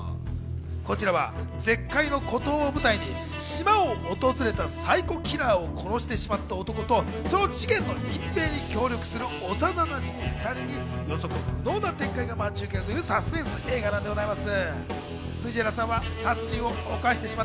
こちらは絶海の孤島を舞台に島を訪れたサイコキラーを殺してしまった男と、この事件の隠蔽に協力する幼なじみ２人に予測不能な展開が待ち受けるというサスペンス映画なんでございます。